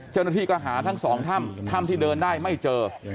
เจ้าหน้าที่ก็หาทั้งสองถ้ำถ้ำที่เดินได้ไม่เจอ